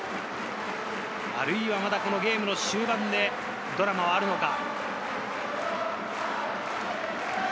あるいはゲームの終盤で、ドラマはあるのか？